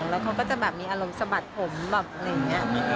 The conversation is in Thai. เราก็จะมีอารมณ์สะบัดผมเหมือนนี้